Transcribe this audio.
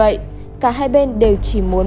anh đưa cho em năm triệu trước